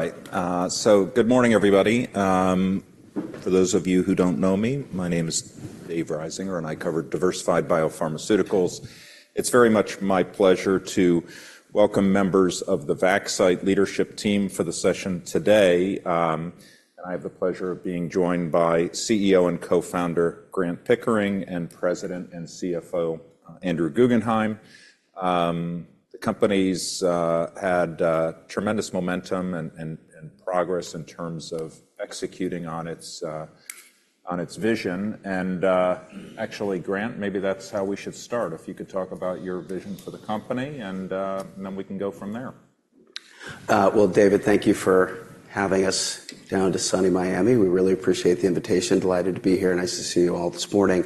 All right, so good morning, everybody. For those of you who don't know me, my name is David Risinger, and I cover diversified biopharmaceuticals. It's very much my pleasure to welcome members of the Vaxcyte leadership team for the session today, and I have the pleasure of being joined by CEO and co-founder Grant Pickering and President and CFO Andrew Guggenhime. The company's had tremendous momentum and progress in terms of executing on its vision. And, actually, Grant, maybe that's how we should start. If you could talk about your vision for the company, and then we can go from there. Well, David, thank you for having us down to sunny Miami. We really appreciate the invitation. Delighted to be here. Nice to see you all this morning.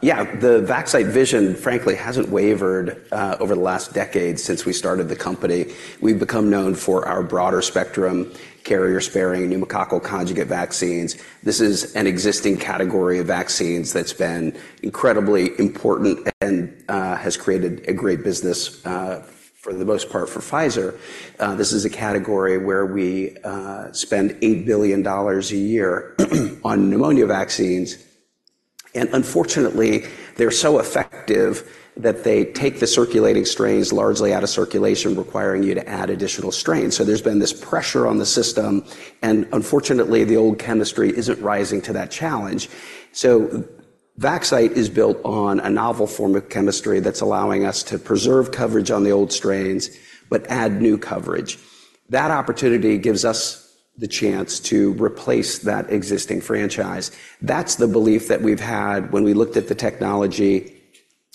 Yeah, the Vaxcyte vision, frankly, hasn't wavered, over the last decade since we started the company. We've become known for our broader spectrum: carrier-sparing, pneumococcal conjugate vaccines. This is an existing category of vaccines that's been incredibly important and, has created a great business, for the most part for Pfizer. This is a category where we, spend $8 billion a year on pneumonia vaccines, and unfortunately, they're so effective that they take the circulating strains largely out of circulation, requiring you to add additional strains. So there's been this pressure on the system, and unfortunately, the old chemistry isn't rising to that challenge. So Vaxcyte is built on a novel form of chemistry that's allowing us to preserve coverage on the old strains but add new coverage. That opportunity gives us the chance to replace that existing franchise. That's the belief that we've had when we looked at the technology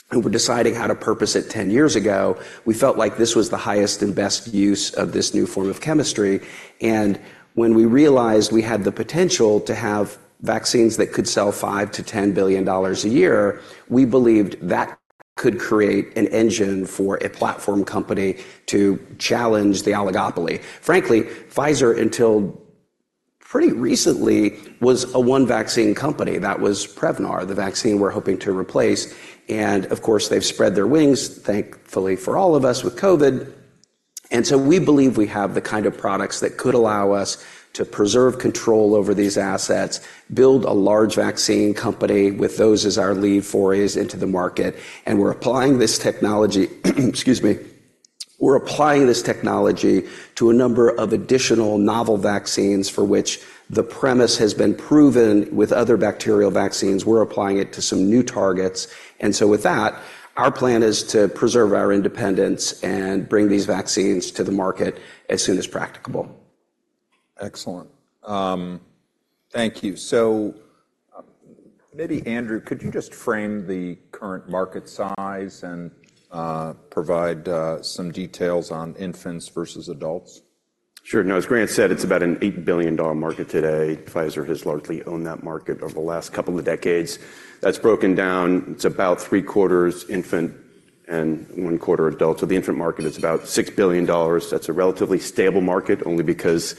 and were deciding how to purpose it 10 years ago. We felt like this was the highest and best use of this new form of chemistry. And when we realized we had the potential to have vaccines that could sell $5-$10 billion a year, we believed that could create an engine for a platform company to challenge the oligopoly. Frankly, Pfizer, until pretty recently, was a one-vaccine company. That was Prevnar, the vaccine we're hoping to replace. And of course, they've spread their wings, thankfully, for all of us with COVID. And so we believe we have the kind of products that could allow us to preserve control over these assets, build a large vaccine company with those as our lead forays into the market. And we're applying this technology, excuse me, we're applying this technology to a number of additional novel vaccines for which the premise has been proven with other bacterial vaccines. We're applying it to some new targets. And so with that, our plan is to preserve our independence and bring these vaccines to the market as soon as practicable. Excellent. Thank you. So, maybe, Andrew, could you just frame the current market size and provide some details on infants versus adults? Sure. No, as Grant said, it's about an $8 billion market today. Pfizer has largely owned that market over the last couple of decades. That's broken down. It's about three-quarters infant and one-quarter adult. So the infant market is about $6 billion. That's a relatively stable market only because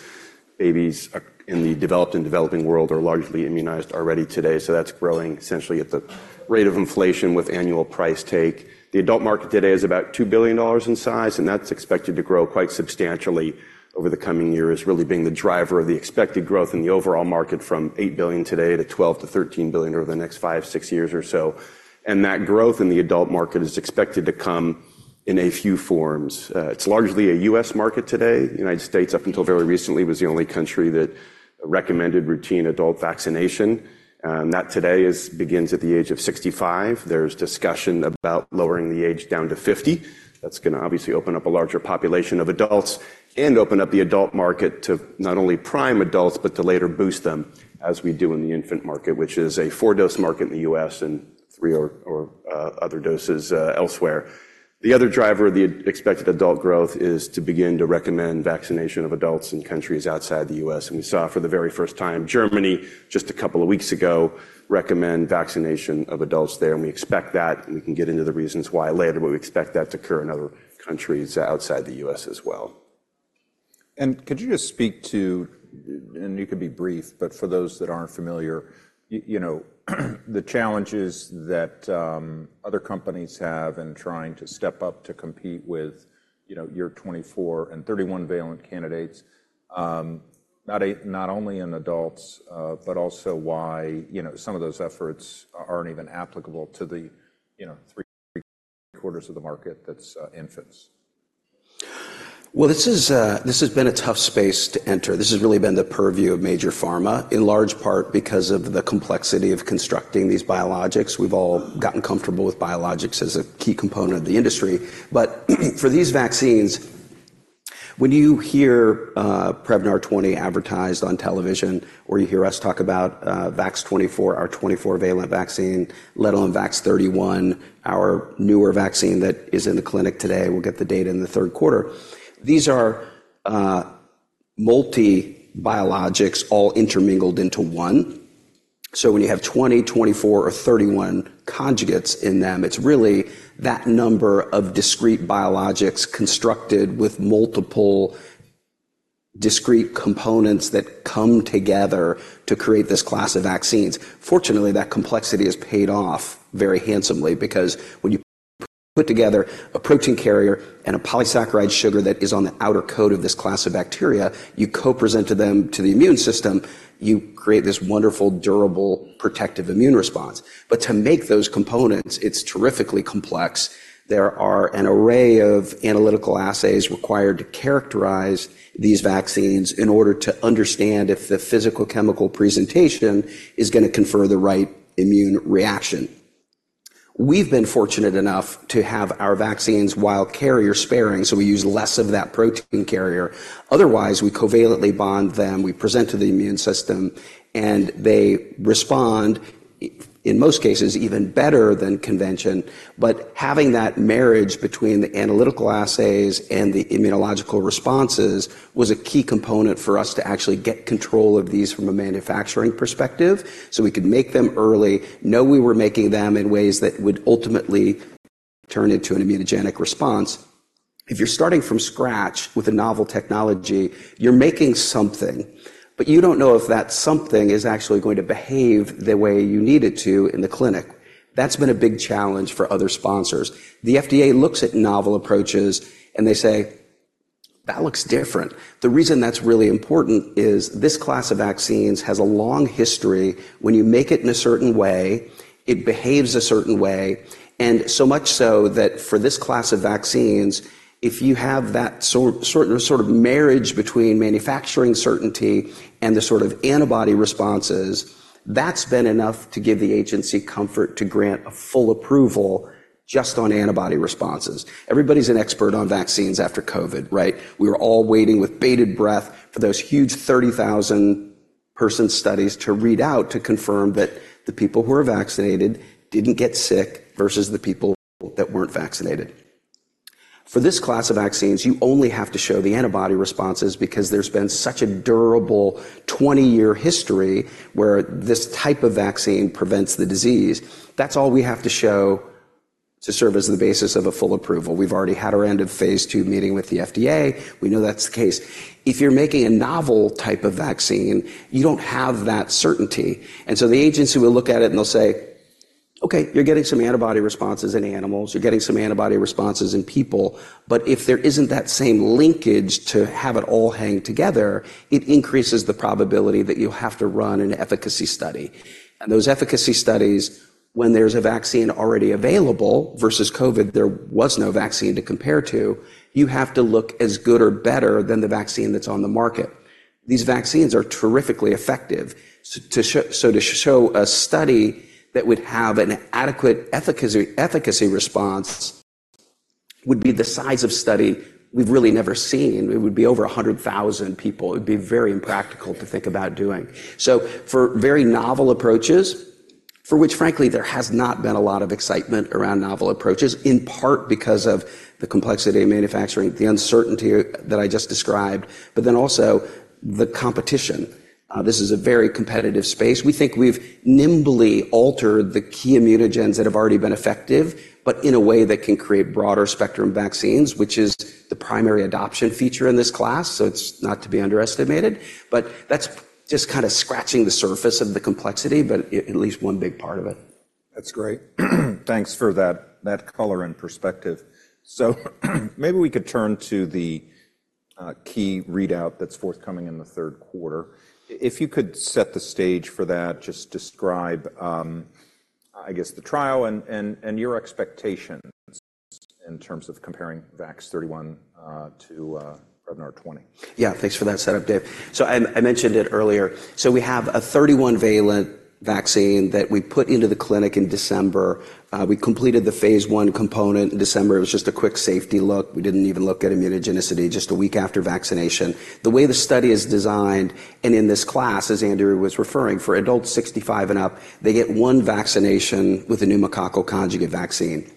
babies in the developed and developing world are largely immunized already today. So that's growing essentially at the rate of inflation with annual price take. The adult market today is about $2 billion in size, and that's expected to grow quite substantially over the coming years, really being the driver of the expected growth in the overall market from $8 billion today to $12-$13 billion over the next five-six years or so. And that growth in the adult market is expected to come in a few forms. It's largely a U.S. market today. The United States, up until very recently, was the only country that recommended routine adult vaccination that today begins at the age of 65. There's discussion about lowering the age down to 50. That's going to obviously open up a larger population of adults and open up the adult market to not only prime adults but to later boost them as we do in the infant market, which is a four-dose market in the U.S. and three or other doses, elsewhere. The other driver of the expected adult growth is to begin to recommend vaccination of adults in countries outside the U.S. And we saw for the very first time, Germany, just a couple of weeks ago, recommend vaccination of adults there. And we expect that. And we can get into the reasons why later, but we expect that to occur in other countries outside the U.S. as well. Could you just speak to—and you can be brief—but for those that aren't familiar, you know, the challenges that other companies have in trying to step up to compete with, you know, your 24- and 31-valent candidates, not only in adults, but also why, you know, some of those efforts aren't even applicable to the, you know, three-quarters of the market that's infants? Well, this is, this has been a tough space to enter. This has really been the purview of major pharma, in large part because of the complexity of constructing these biologics. We've all gotten comfortable with biologics as a key component of the industry. But for these vaccines, when you hear, Prevnar 20 advertised on television or you hear us talk about, VAX-24, our 24-valent vaccine, let alone VAX-31, our newer vaccine that is in the clinic today. We'll get the data in the third quarter. These are, multibiologics all intermingled into one. So when you have 20, 24, or 31 conjugates in them, it's really that number of discrete biologics constructed with multiple discrete components that come together to create this class of vaccines. Fortunately, that complexity has paid off very handsomely because when you put together a protein carrier and a polysaccharide sugar that is on the outer coat of this class of bacteria, you co-present to them to the immune system, you create this wonderful, durable, protective immune response. But to make those components, it's terrifically complex. There are an array of analytical assays required to characterize these vaccines in order to understand if the physicochemical presentation is going to confer the right immune reaction. We've been fortunate enough to have our vaccines while carrier-sparing, so we use less of that protein carrier. Otherwise, we covalently bond them, we present to the immune system, and they respond, in most cases, even better than convention. But having that marriage between the analytical assays and the immunological responses was a key component for us to actually get control of these from a manufacturing perspective. So we could make them early, know we were making them in ways that would ultimately turn into an immunogenic response. If you're starting from scratch with a novel technology, you're making something, but you don't know if that something is actually going to behave the way you need it to in the clinic. That's been a big challenge for other sponsors. The FDA looks at novel approaches, and they say, "That looks different." The reason that's really important is this class of vaccines has a long history. When you make it in a certain way, it behaves a certain way, and so much so that for this class of vaccines, if you have that sort of marriage between manufacturing certainty and the sort of antibody responses, that's been enough to give the agency comfort to grant a full approval just on antibody responses. Everybody's an expert on vaccines after COVID, right? We were all waiting with bated breath for those huge 30,000-person studies to read out to confirm that the people who are vaccinated didn't get sick versus the people that weren't vaccinated. For this class of vaccines, you only have to show the antibody responses because there's been such a durable 20-year history where this type of vaccine prevents the disease. That's all we have to show to serve as the basis of a full approval. We've already had our end of phase II meeting with the FDA. We know that's the case. If you're making a novel type of vaccine, you don't have that certainty. And so the agency will look at it and they'll say, "Okay, you're getting some antibody responses in animals. You're getting some antibody responses in people. But if there isn't that same linkage to have it all hang together, it increases the probability that you have to run an efficacy study. And those efficacy studies, when there's a vaccine already available versus COVID, there was no vaccine to compare to, you have to look as good or better than the vaccine that's on the market. These vaccines are terrifically effective. So to show a study that would have an adequate efficacy response would be the size of study we've really never seen. It would be over 100,000 people. It would be very impractical to think about doing. So for very novel approaches, for which, frankly, there has not been a lot of excitement around novel approaches, in part because of the complexity of manufacturing, the uncertainty that I just described, but then also the competition. This is a very competitive space. We think we've nimbly altered the key immunogens that have already been effective but in a way that can create broader spectrum vaccines, which is the primary adoption feature in this class. So it's not to be underestimated, but that's just kind of scratching the surface of the complexity, but at least one big part of it. That's great. Thanks for that color and perspective. So maybe we could turn to the key readout that's forthcoming in the third quarter. If you could set the stage for that, just describe, I guess, the trial and your expectations in terms of comparing VAX-31 to Prevnar 20. Yeah, thanks for that setup, Dave. So I mentioned it earlier. So we have a 31-valent vaccine that we put into the clinic in December. We completed the phase I component in December. It was just a quick safety look. We didn't even look at immunogenicity just a week after vaccination. The way the study is designed, and in this class, as Andrew was referring, for adults 65 and up, they get one vaccination with a pneumococcal conjugate vaccine.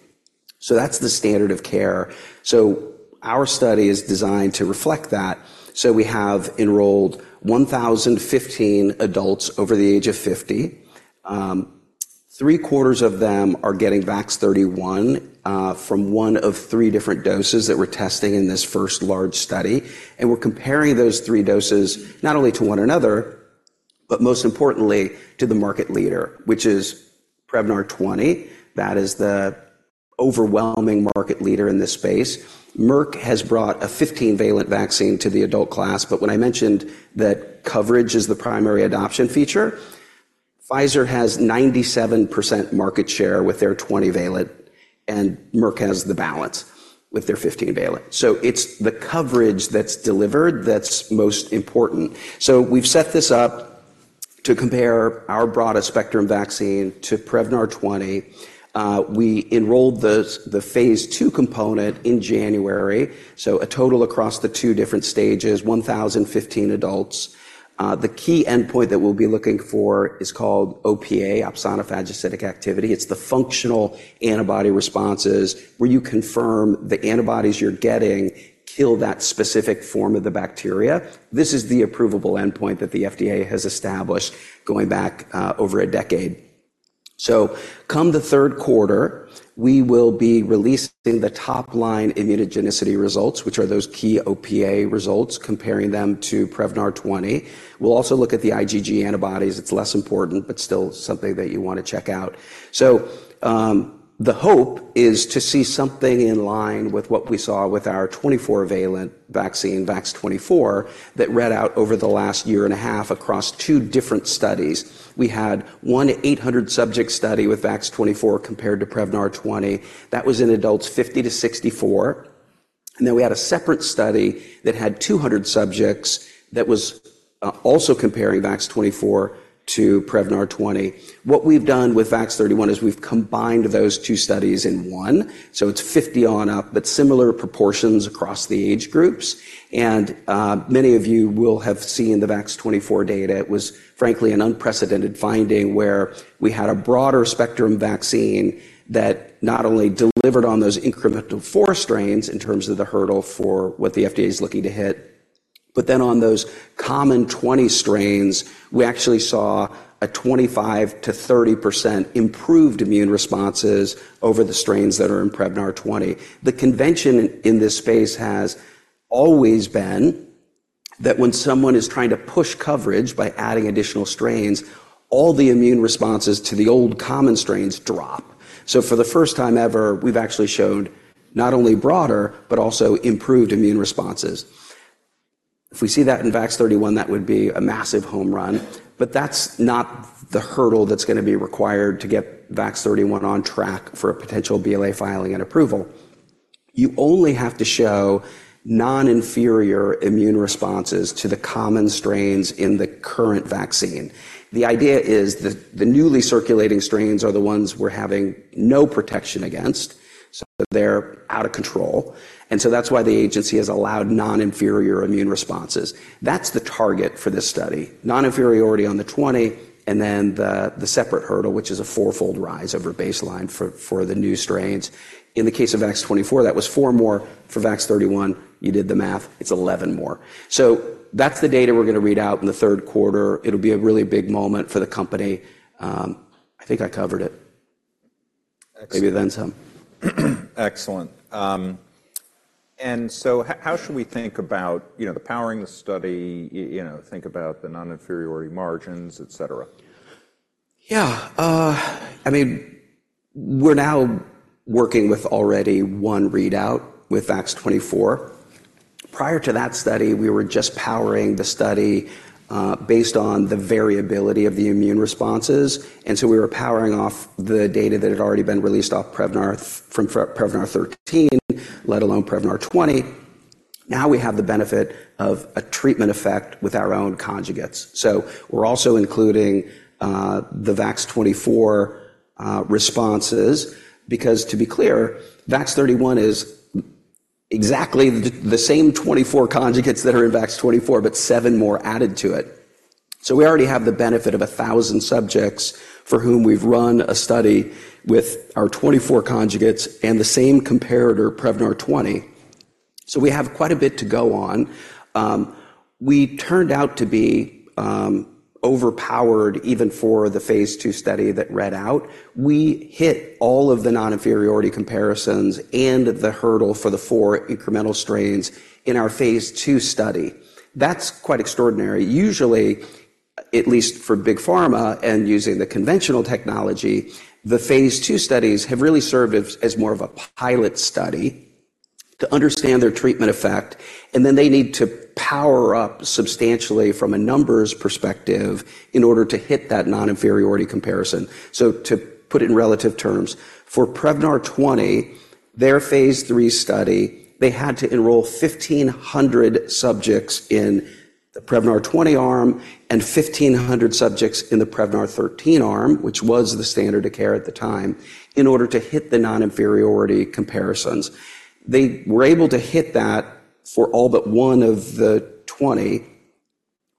So that's the standard of care. So our study is designed to reflect that. So we have enrolled 1,015 adults over the age of 50. Three-quarters of them are getting VAX-31, from one of three different doses that we're testing in this first large study. And we're comparing those three doses not only to one another, but most importantly, to the market leader, which is Prevnar 20. That is the overwhelming market leader in this space. Merck has brought a 15-valent vaccine to the adult class. But when I mentioned that coverage is the primary adoption feature, Pfizer has 97% market share with their 20-valent, and Merck has the balance with their 15-valent. So it's the coverage that's delivered that's most important. So we've set this up to compare our broadest spectrum vaccine to Prevnar 20. We enrolled the phase II component in January, so a total across the two different stages, 1,015 adults. The key endpoint that we'll be looking for is called OPA, opsonophagocytic activity. It's the functional antibody responses where you confirm the antibodies you're getting kill that specific form of the bacteria. This is the approvable endpoint that the FDA has established going back, over a decade. So, come the third quarter, we will be releasing the top-line immunogenicity results, which are those key OPA results, comparing them to Prevnar 20. We'll also look at the IgG antibodies. It's less important, but still something that you want to check out. So, the hope is to see something in line with what we saw with our 24-valent vaccine, VAX-24, that read out over the last year and a half across two different studies. We had one 800-subject study with VAX-24 compared to Prevnar 20. That was in adults 50-64. And then we had a separate study that had 200 subjects that was, also comparing VAX-24 to Prevnar 20. What we've done with VAX-31 is we've combined those two studies in one. So it's 50 on up, but similar proportions across the age groups. Many of you will have seen the VAX-24 data. It was, frankly, an unprecedented finding where we had a broader spectrum vaccine that not only delivered on those incremental four strains in terms of the hurdle for what the FDA is looking to hit, but then on those common 20 strains, we actually saw a 25%-30% improved immune responses over the strains that are in Prevnar 20. The convention in this space has always been that when someone is trying to push coverage by adding additional strains, all the immune responses to the old common strains drop. So for the first time ever, we've actually shown not only broader but also improved immune responses. If we see that in VAX-31, that would be a massive home run. But that's not the hurdle that's going to be required to get VAX-31 on track for a potential BLA filing and approval. You only have to show non-inferior immune responses to the common strains in the current vaccine. The idea is that the newly circulating strains are the ones we're having no protection against, so they're out of control. And so that's why the agency has allowed non-inferior immune responses. That's the target for this study, non-inferiority on the 20 and then the separate hurdle, which is a fourfold rise over baseline for the new strains. In the case of VAX-24, that was 4 more. For VAX-31, you did the math. It's 11 more. So that's the data we're going to read out in the third quarter. It'll be a really big moment for the company. I think I covered it. Maybe then some. Excellent. And so how should we think about, you know, the powering the study, you know, think about the non-inferiority margins, et cetera? Yeah. I mean, we're now working with already one readout with VAX-24. Prior to that study, we were just powering the study, based on the variability of the immune responses. And so we were powering off the data that had already been released off Prevnar from Prevnar 13, let alone Prevnar 20. Now we have the benefit of a treatment effect with our own conjugates. So we're also including the VAX-24 responses because, to be clear, VAX-31 is exactly the same 24 conjugates that are in VAX-24, but seven more added to it. So we already have the benefit of 1,000 subjects for whom we've run a study with our 24 conjugates and the same comparator, Prevnar 20. So we have quite a bit to go on. We turned out to be overpowered even for the phase II study that read out. We hit all of the non-inferiority comparisons and the hurdle for the four incremental strains in our phase II study. That's quite extraordinary. Usually, at least for big pharma and using the conventional technology, the phase II studies have really served as more of a pilot study to understand their treatment effect. And then they need to power up substantially from a numbers perspective in order to hit that non-inferiority comparison. So to put it in relative terms, for Prevnar 20, their phase III study, they had to enroll 1,500 subjects in the Prevnar 20 arm and 1,500 subjects in the Prevnar 13 arm, which was the standard of care at the time, in order to hit the non-inferiority comparisons. They were able to hit that for all but one of the 20.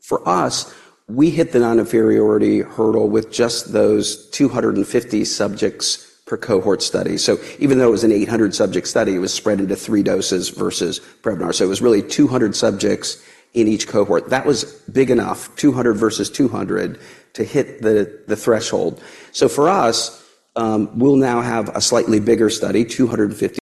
For us, we hit the non-inferiority hurdle with just those 250 subjects per cohort study. So even though it was an 800-subject study, it was spread into three doses versus Prevnar. So it was really 200 subjects in each cohort. That was big enough, 200 versus 200, to hit the threshold. So for us, we'll now have a slightly bigger study, 250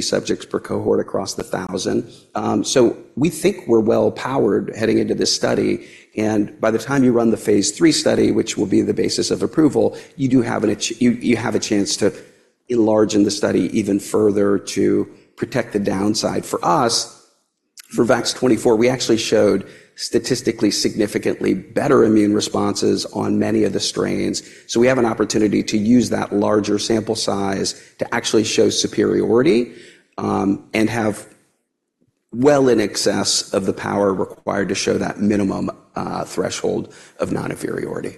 subjects per cohort across the 1,000, so we think we're well-powered heading into this study. And by the time you run the phase III study, which will be the basis of approval, you do have a chance to enlarge the study even further to protect the downside. For us, for VAX-24, we actually showed statistically significantly better immune responses on many of the strains. So we have an opportunity to use that larger sample size to actually show superiority, and have well in excess of the power required to show that minimum, threshold of non-inferiority.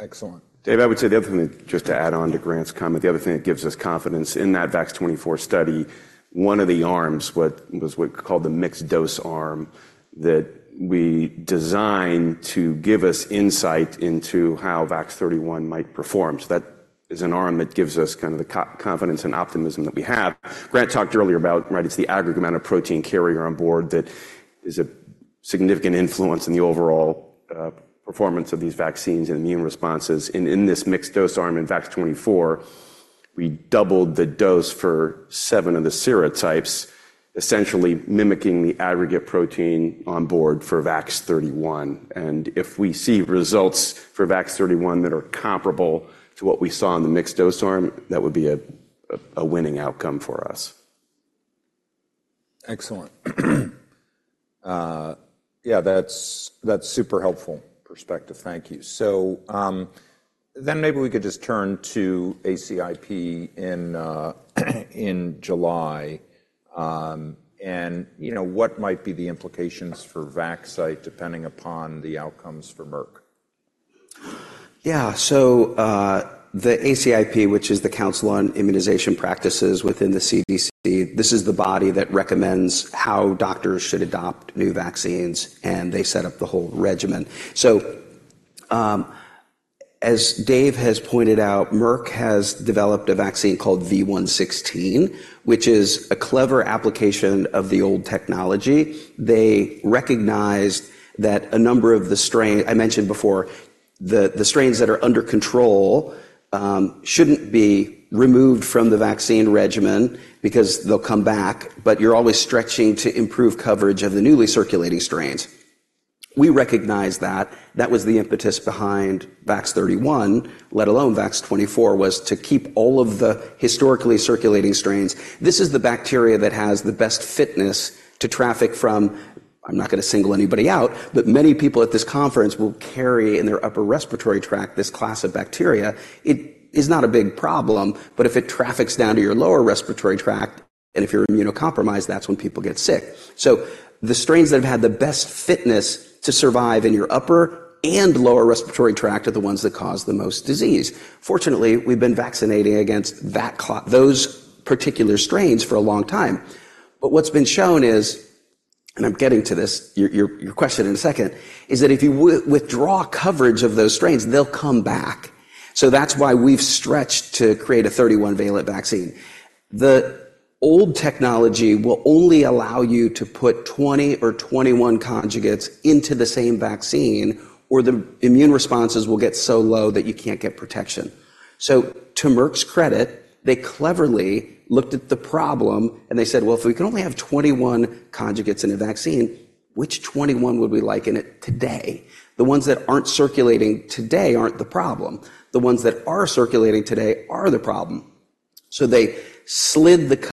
Excellent. Dave, I would say the other thing just to add on to Grant's comment, the other thing that gives us confidence in that VAX-24 study, one of the arms was what's called the mixed dose arm that we designed to give us insight into how VAX-31 might perform. So that is an arm that gives us kind of the confidence and optimism that we have. Grant talked earlier about, right, it's the aggregate amount of protein carrier on board that is a significant influence in the overall performance of these vaccines and immune responses. And in this mixed dose arm in VAX-24, we doubled the dose for seven of the serotypes, essentially mimicking the aggregate protein on board for VAX-31. If we see results for VAX-31 that are comparable to what we saw in the mixed dose arm, that would be a winning outcome for us. Excellent. Yeah, that's super helpful perspective. Thank you. So, then maybe we could just turn to ACIP in July, and you know, what might be the implications for Vaxcyte depending upon the outcomes for Merck? Yeah. So, the ACIP, which is the Advisory Committee on Immunization Practices within the CDC, this is the body that recommends how doctors should adopt new vaccines, and they set up the whole regimen. So, as Dave has pointed out, Merck has developed a vaccine called V116, which is a clever application of the old technology. They recognized that a number of the strains I mentioned before, the strains that are under control, shouldn't be removed from the vaccine regimen because they'll come back, but you're always stretching to improve coverage of the newly circulating strains. We recognized that. That was the impetus behind VAX-31, let alone VAX-24, was to keep all of the historically circulating strains. This is the bacteria that has the best fitness to traffic from. I'm not going to single anybody out, but many people at this conference will carry in their upper respiratory tract this class of bacteria. It is not a big problem, but if it traffics down to your lower respiratory tract and if you're immunocompromised, that's when people get sick. So the strains that have had the best fitness to survive in your upper and lower respiratory tract are the ones that cause the most disease. Fortunately, we've been vaccinating against that lot, those particular strains for a long time. But what's been shown is, and I'm getting to this, your question in a second, is that if you withdraw coverage of those strains, they'll come back. So that's why we've stretched to create a 31-valent vaccine. The old technology will only allow you to put 20 or 21 conjugates into the same vaccine, or the immune responses will get so low that you can't get protection. To Merck's credit, they cleverly looked at the problem and they said, "Well, if we can only have 21 conjugates in a vaccine, which 21 would we like in it today?" The ones that aren't circulating today aren't the problem. The ones that are circulating today are the problem. So they slid the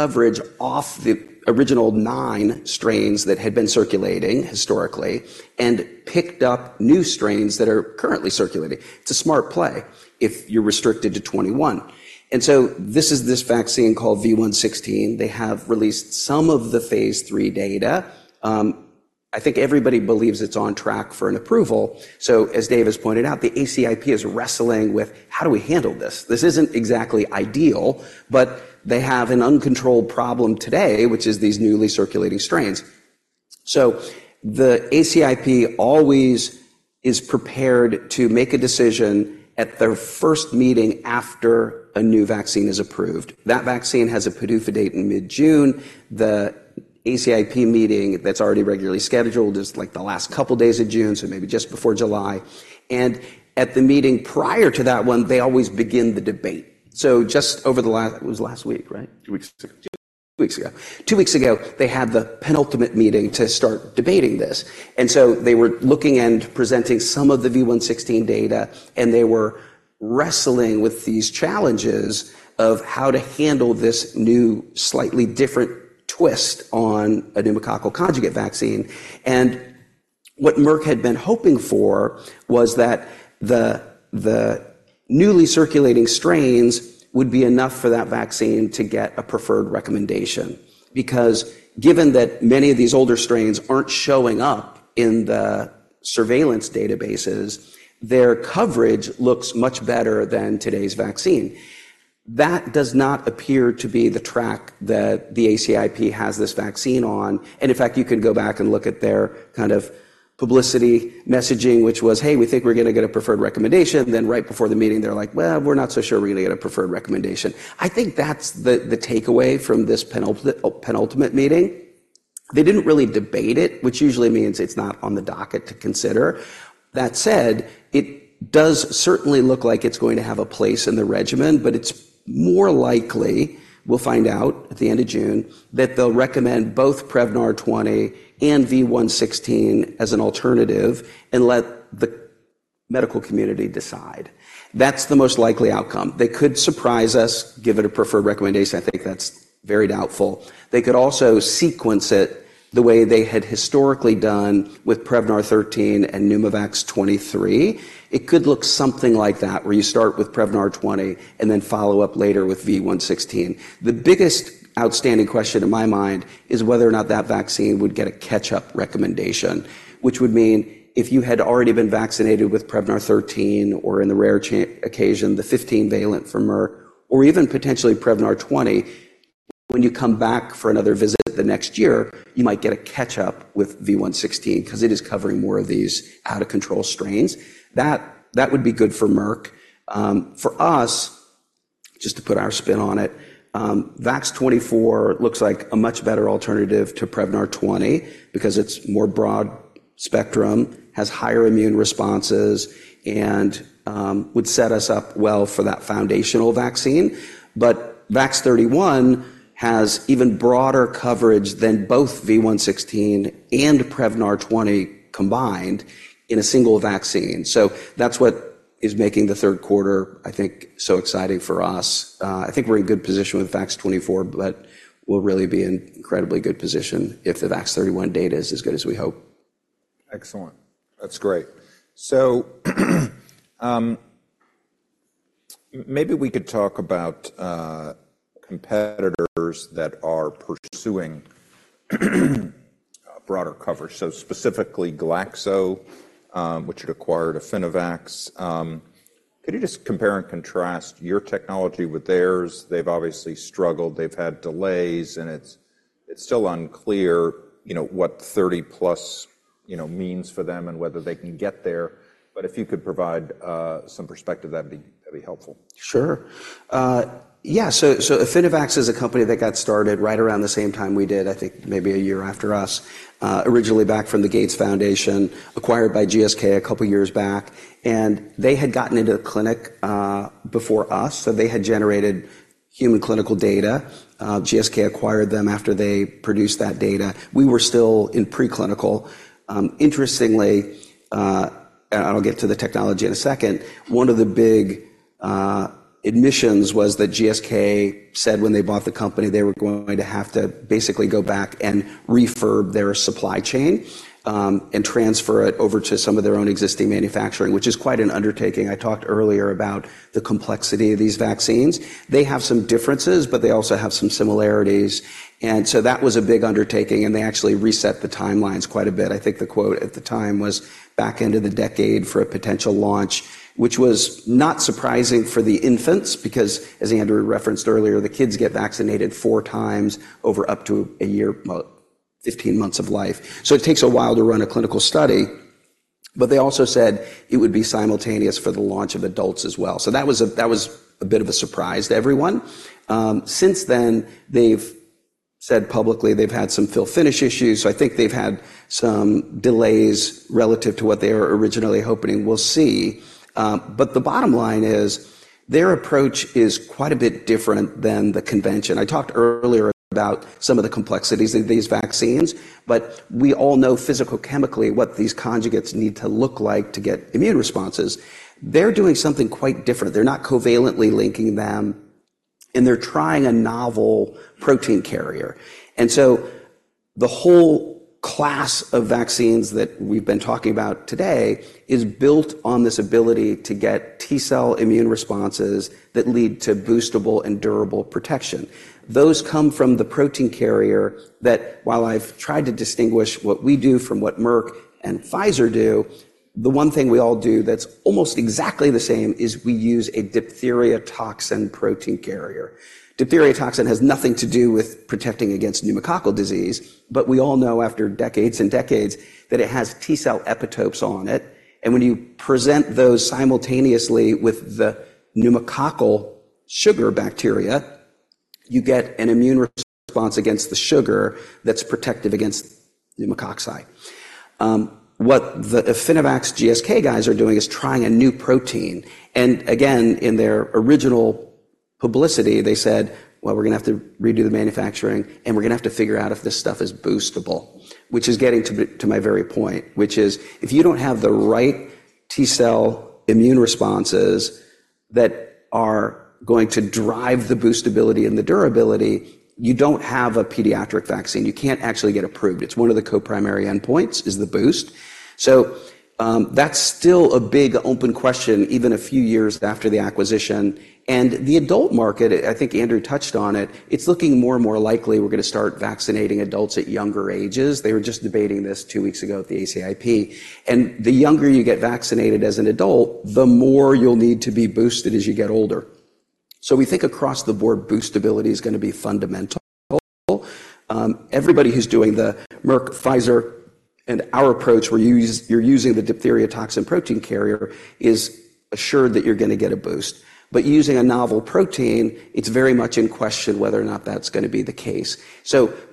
coverage off the original 9 strains that had been circulating historically and picked up new strains that are currently circulating. It's a smart play if you're restricted to 21. So this is this vaccine called V116. They have released some of the phase III data. I think everybody believes it's on track for an approval. So as Dave has pointed out, the ACIP is wrestling with, "How do we handle this?" This isn't exactly ideal, but they have an uncontrolled problem today, which is these newly circulating strains. So the ACIP always is prepared to make a decision at their first meeting after a new vaccine is approved. That vaccine has a PDUFA date in mid-June. The ACIP meeting that's already regularly scheduled is like the last couple of days of June, so maybe just before July. And at the meeting prior to that one, they always begin the debate. So just over the last it was last week, right? Two weeks ago. Two weeks ago. Two weeks ago, they had the penultimate meeting to start debating this. And so they were looking and presenting some of the V116 data, and they were wrestling with these challenges of how to handle this new, slightly different twist on a pneumococcal conjugate vaccine. And what Merck had been hoping for was that the newly circulating strains would be enough for that vaccine to get a preferred recommendation because given that many of these older strains aren't showing up in the surveillance databases, their coverage looks much better than today's vaccine. That does not appear to be the track that the ACIP has this vaccine on. In fact, you can go back and look at their kind of publicity messaging, which was, "Hey, we think we're going to get a preferred recommendation." Then right before the meeting, they're like, "Well, we're not so sure we're going to get a preferred recommendation." I think that's the takeaway from this penultimate meeting. They didn't really debate it, which usually means it's not on the docket to consider. That said, it does certainly look like it's going to have a place in the regimen, but it's more likely we'll find out at the end of June that they'll recommend both Prevnar 20 and V116 as an alternative and let the medical community decide. That's the most likely outcome. They could surprise us, give it a preferred recommendation. I think that's very doubtful. They could also sequence it the way they had historically done with Prevnar 13 and Pneumovax 23. It could look something like that where you start with Prevnar 20 and then follow up later with V116. The biggest outstanding question in my mind is whether or not that vaccine would get a catch-up recommendation, which would mean if you had already been vaccinated with Prevnar 13 or in the rare occasion, the 15-valent from Merck, or even potentially Prevnar 20, when you come back for another visit the next year, you might get a catch-up with V116 because it is covering more of these out-of-control strains. That would be good for Merck. For us, just to put our spin on it, VAX-24 looks like a much better alternative to Prevnar 20 because it's more broad spectrum, has higher immune responses, and would set us up well for that foundational vaccine. But VAX-31 has even broader coverage than both V116 and Prevnar 20 combined in a single vaccine. So that's what is making the third quarter, I think, so exciting for us. I think we're in good position with VAX-24, but we'll really be in incredibly good position if the VAX-31 data is as good as we hope. Excellent. That's great. So, maybe we could talk about competitors that are pursuing broader coverage. So specifically Glaxo, which had acquired Affinivax. Could you just compare and contrast your technology with theirs? They've obviously struggled. They've had delays, and it's still unclear, you know, what 30-plus, you know, means for them and whether they can get there. But if you could provide some perspective, that'd be helpful. Sure. Yeah. So, Affinivax is a company that got started right around the same time we did, I think maybe a year after us, originally backed by the Gates Foundation, acquired by GSK a couple of years back. And they had gotten into the clinic before us. So they had generated human clinical data. GSK acquired them after they produced that data. We were still in preclinical. Interestingly, and I'll get to the technology in a second, one of the big admissions was that GSK said when they bought the company, they were going to have to basically go back and refurbish their supply chain, and transfer it over to some of their own existing manufacturing, which is quite an undertaking. I talked earlier about the complexity of these vaccines. They have some differences, but they also have some similarities. And so that was a big undertaking, and they actually reset the timelines quite a bit. I think the quote at the time was back into the decade for a potential launch, which was not surprising for the infants because, as Andrew referenced earlier, the kids get vaccinated four times over up to a year, 15 months of life. So it takes a while to run a clinical study. But they also said it would be simultaneous for the launch of adults as well. So that was a bit of a surprise to everyone. Since then, they've said publicly they've had some fill-finish issues. So I think they've had some delays relative to what they were originally hoping we'll see. But the bottom line is their approach is quite a bit different than the convention. I talked earlier about some of the complexities of these vaccines, but we all know physicochemically what these conjugates need to look like to get immune responses. They're doing something quite different. They're not covalently linking them, and they're trying a novel protein carrier. And so the whole class of vaccines that we've been talking about today is built on this ability to get T-cell immune responses that lead to boostable and durable protection. Those come from the protein carrier that, while I've tried to distinguish what we do from what Merck and Pfizer do, the one thing we all do that's almost exactly the same is we use a diphtheria toxin protein carrier. Diphtheria toxin has nothing to do with protecting against pneumococcal disease, but we all know after decades and decades that it has T-cell epitopes on it. And when you present those simultaneously with the pneumococcal sugar bacteria, you get an immune response against the sugar that's protective against pneumococci. What the Affinivax GSK guys are doing is trying a new protein. And again, in their original publicity, they said, "Well, we're going to have to redo the manufacturing, and we're going to have to figure out if this stuff is boostable," which is getting to my very point, which is if you don't have the right T-cell immune responses that are going to drive the boostability and the durability, you don't have a pediatric vaccine. You can't actually get approved. It's one of the co-primary endpoints is the boost. So, that's still a big open question, even a few years after the acquisition. And the adult market, I think Andrew touched on it, it's looking more and more likely we're going to start vaccinating adults at younger ages. They were just debating this two weeks ago at the ACIP. The younger you get vaccinated as an adult, the more you'll need to be boosted as you get older. We think across the board, boostability is going to be fundamental. Everybody who's doing the Merck, Pfizer, and our approach where you're using the diphtheria toxin protein carrier is assured that you're going to get a boost. But using a novel protein, it's very much in question whether or not that's going to be the case.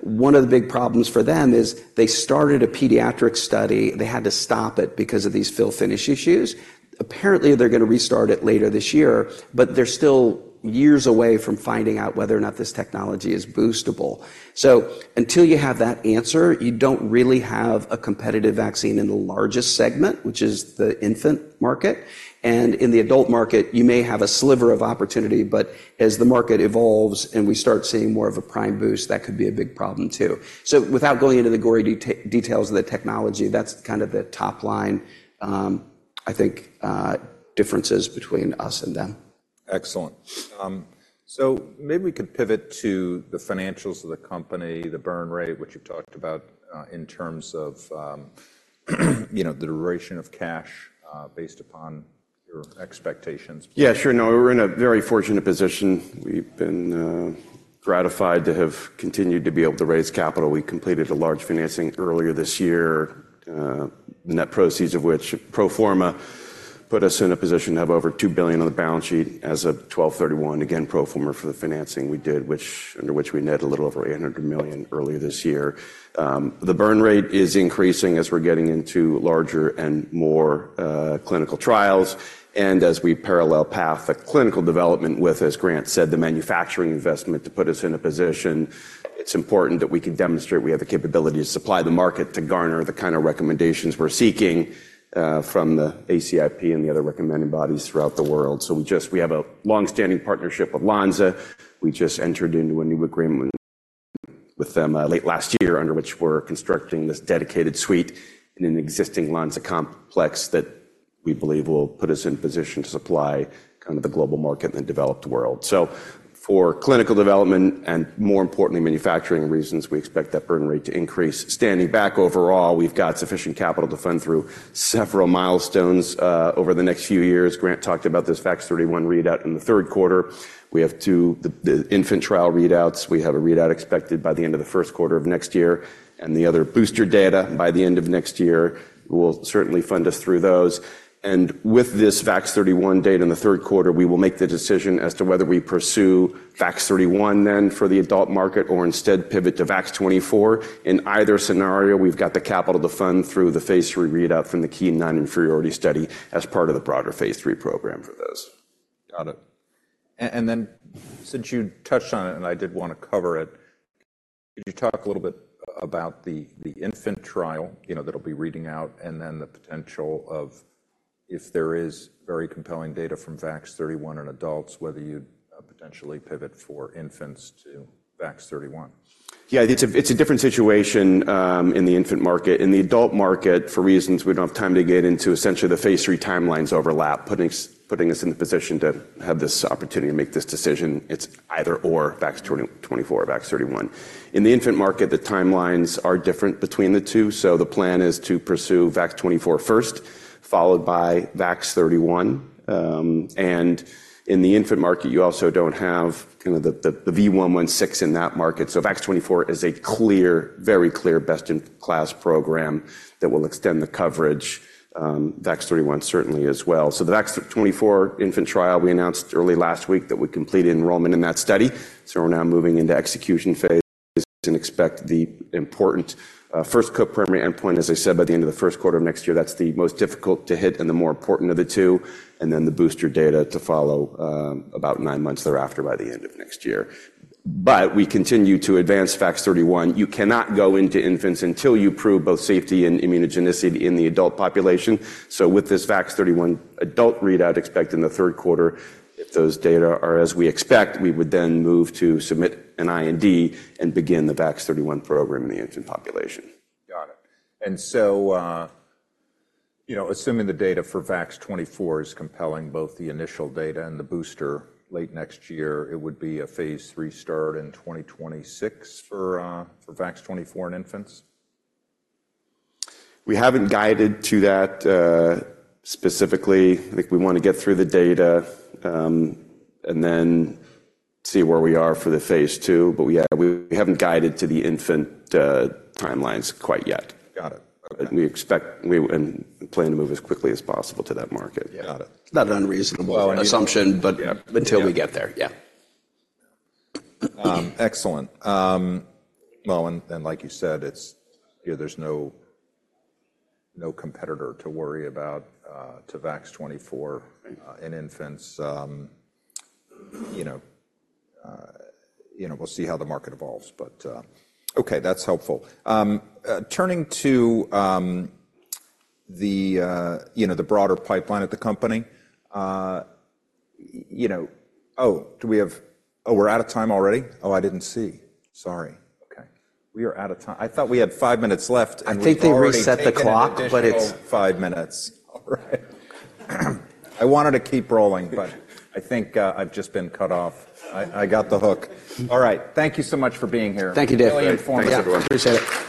One of the big problems for them is they started a pediatric study. They had to stop it because of these fill-finish issues. Apparently, they're going to restart it later this year, but they're still years away from finding out whether or not this technology is boostable. So until you have that answer, you don't really have a competitive vaccine in the largest segment, which is the infant market. And in the adult market, you may have a sliver of opportunity, but as the market evolves and we start seeing more of a prime boost, that could be a big problem too. So without going into the gory details of the technology, that's kind of the top line, I think, differences between us and them. Excellent. So maybe we could pivot to the financials of the company, the burn rate, which you've talked about, in terms of, you know, the duration of cash, based upon your expectations. Yeah, sure. No, we're in a very fortunate position. We've been gratified to have continued to be able to raise capital. We completed a large financing earlier this year, net proceeds of which pro forma put us in a position to have over $2 billion on the balance sheet as of 12/31. Again, pro forma for the financing we did, under which we net a little over $800 million earlier this year. The burn rate is increasing as we're getting into larger and more clinical trials and as we parallel path the clinical development with, as Grant said, the manufacturing investment to put us in a position. It's important that we can demonstrate we have the capability to supply the market to garner the kind of recommendations we're seeking from the ACIP and the other recommending bodies throughout the world. So we just, we have a longstanding partnership with Lonza. We just entered into a new agreement with them late last year under which we're constructing this dedicated suite in an existing Lonza complex that we believe will put us in position to supply kind of the global market and the developed world. So for clinical development and more importantly, manufacturing reasons, we expect that burn rate to increase. Standing back overall, we've got sufficient capital to fund through several milestones, over the next few years. Grant talked about this VAX-31 readout in the third quarter. We have two infant trial readouts. We have a readout expected by the end of the first quarter of next year. And the other booster data by the end of next year will certainly fund us through those. With this VAX-31 data in the third quarter, we will make the decision as to whether we pursue VAX-31 then for the adult market or instead pivot to VAX-24. In either scenario, we've got the capital to fund through the phase III readout from the key and non-inferiority study as part of the broader phase III program for those. Got it. And then since you touched on it and I did want to cover it, could you talk a little bit about the infant trial, you know, that'll be reading out and then the potential of if there is very compelling data from VAX-31 in adults, whether you'd potentially pivot for infants to VAX-31? Yeah, it's a different situation in the infant market. In the adult market, for reasons we don't have time to get into, essentially the phase III timelines overlap, putting us in the position to have this opportunity to make this decision. It's either/or, VAX-24 or VAX-31. In the infant market, the timelines are different between the two. So the plan is to pursue VAX-24 first, followed by VAX-31. And in the infant market, you also don't have kind of the V116 in that market. So VAX-24 is a clear, very clear best-in-class program that will extend the coverage. VAX-31 certainly as well. So the VAX-24 infant trial, we announced early last week that we completed enrollment in that study. So we're now moving into execution phase and expect the important, first co-primary endpoint, as I said, by the end of the first quarter of next year, that's the most difficult to hit and the more important of the two, and then the booster data to follow, about nine months thereafter by the end of next year. We continue to advance VAX-31. You cannot go into infants until you prove both safety and immunogenicity in the adult population. With this VAX-31 adult readout expected in the third quarter, if those data are as we expect, we would then move to submit an IND and begin the VAX-31 program in the infant population. Got it. And so, you know, assuming the data for VAX-24 is compelling, both the initial data and the booster late next year, it would be a phase three start in 2026 for VAX-24 in infants? We haven't guided to that, specifically. I think we want to get through the data, and then see where we are for the phase II. Yeah, we haven't guided to the infant timelines quite yet. Got it. Okay. We expect and plan to move as quickly as possible to that market. Got it. Not an unreasonable assumption, but until we get there. Yeah. Excellent. Well, and like you said, it's, you know, there's no, no competitor to worry about, to VAX-24 in infants. You know, you know, we'll see how the market evolves. But, okay, that's helpful. Turning to, the, you know, the broader pipeline at the company, you know, oh, do we have, oh, we're out of time already? Oh, I didn't see. Sorry. Okay. We are out of time. I thought we had five minutes left. I think they reset the clock, but it's. Five minutes. All right. I wanted to keep rolling, but I think I've just been cut off. I got the hook. All right. Thank you so much for being here. Thank you, David. Really informative one. I appreciate it.